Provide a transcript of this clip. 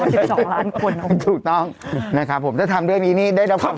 ๕๒ล้านคนค่ะทุกต้องถ้าทำเรื่องนี้ได้รับความสนใจได้รึงไหมฮะ